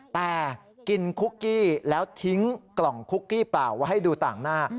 แต่กินคุกกี้แล้วทิ้งกล่องคุกกี้เปล่าไว้ให้ดูต่างหน้า